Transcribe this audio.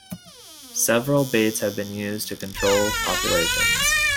Several baits have been used to control populations.